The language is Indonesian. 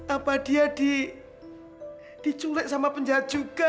apa dia diculik sama penjahat juga